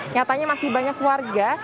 nyatanya masih banyak warga